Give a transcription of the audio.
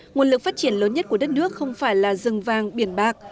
nguồn lực phát triển lớn nhất của đất nước không phải là rừng vàng biển bạc